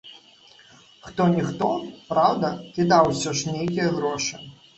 Хто-ніхто, праўда, кідаў усё ж нейкія грошы.